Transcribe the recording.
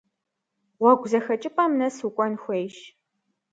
Гъуэгу зэхэкӏыпӏэм нэс укӏуэн хуейщ.